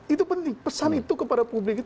itu penting pesan itu kepada publik